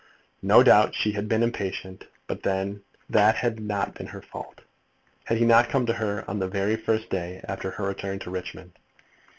No doubt she had been impatient, but then that had been her fault. Had he not come to her the very first day after her return to Richmond?